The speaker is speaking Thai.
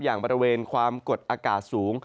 อย่างบริเวณความกดอากาศสูง